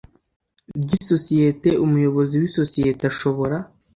ry isosiyete umuyobozi w isosiyete ashobora